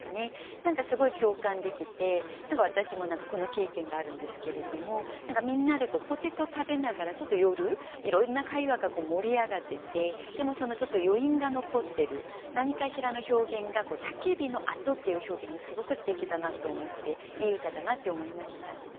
何かすごい共感できて私もこの経験があるんですけれどもみんなでポテト食べながらちょっと夜いろんな会話が盛り上がっててでもちょっと余韻が残ってる何かしらの表現が「焚き火の跡」っていう表現がすごくすてきだなと思っていい歌だなって思いました。